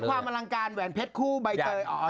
เผยความอลังการแหวนเพชรคู่ใบเตอร์